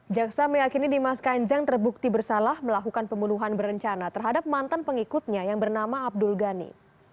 jaksa meyakini dimas kanjeng terbukti bersalah melakukan pembunuhan berencana terhadap mantan pengikutnya yang bernama abdul ghani